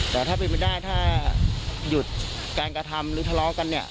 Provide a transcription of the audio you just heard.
แต่ถ้าเป็นไปได้ถ้าหยุดการกระทำหรือทะเลาะกันเนี่ย